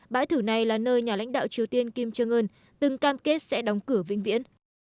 bãi thử này là nơi nhà lãnh đạo triều tiên kim jong un từng cam kết sẽ đóng cửa vĩnh viễn